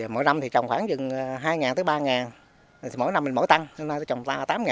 mỗi năm trồng khoảng dừng hai ba mỗi năm mình mỗi tăng cho nên trồng tám